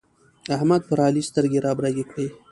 احمد پر علي سترګې رابرګې کړې.